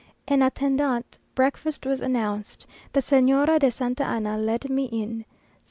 En attendant, breakfast was announced. The Señora de Santa Anna led me in.